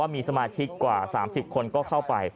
มีสมาชิกกว่า๓๐คนก็เข้าไป